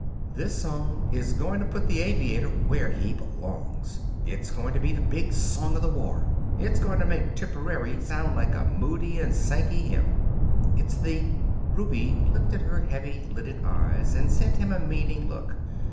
This song is going to put the aviator where he belongs. It's going to be the big song of the war. It's going to make 'Tipperary' sound like a Moody and Sankey hymn. It's the " Ruby lifted her heavy lidded eyes and sent him a meaning look.